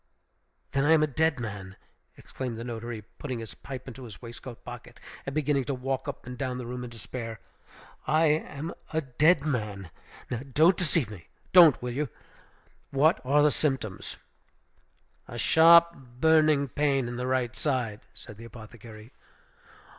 "Then I am a dead man!" exclaimed the notary, putting his pipe into his waistcoat pocket, and beginning to walk up and down the room in despair. "I am a dead man! Now don't deceive me, don't, will you? What what are the symptoms?" "A sharp, burning pain in the right side," said the apothecary.